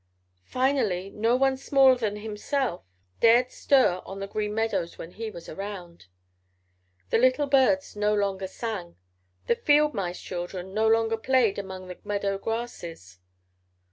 Finally no one smaller than himself dared stir on the Green Meadows when he was around. The little birds no longer sang. The Fieldmice children no longer played among the meadow grasses.